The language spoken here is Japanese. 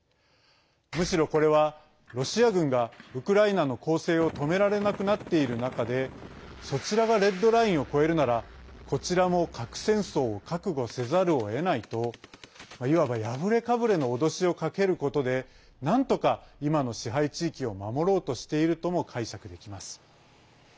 むしろこれは、ロシア軍がウクライナの攻勢を止められなくなっている中でそちらがレッドラインを越えるならこちらも核戦争を覚悟せざるをえないといわば、破れかぶれの脅しをかけることでなんとか今の支配地域を守ろうとしているとも解釈できます。